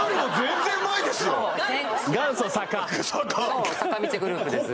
そう坂道グループです